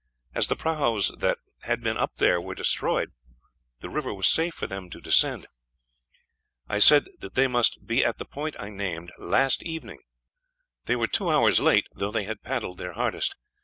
As the prahus that had been up there were destroyed, the river was safe for them to descend. I said that they must be at the point I named last evening. They were two hours late, though they had paddled their hardest.